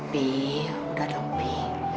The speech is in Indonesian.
bi udah dong bi